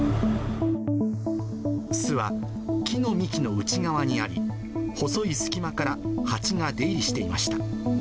巣は、木の幹の内側にあり、細い隙間からハチが出入りしていました。